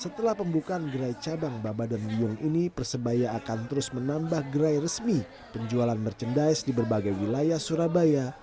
setelah pembukaan gerai cabang baba dan muyung ini persebaya akan terus menambah gerai resmi penjualan merchandise di berbagai wilayah surabaya